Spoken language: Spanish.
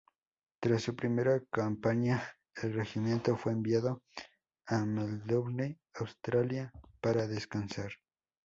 Tras su primera campaña, el regimiento fue enviado a Melbourne, Australia para descansar.